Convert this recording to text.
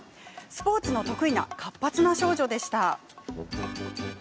スポーツの得意な活発な少女でした。